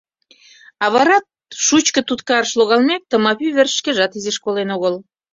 А вара, шучко туткарыш логалмек, Тымапи верч шкежат изиш колен огыл.